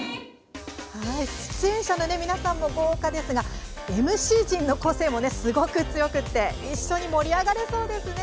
出演者の皆さんも豪華ですがＭＣ陣の個性もすごく強くて一緒に盛り上がれそうですね。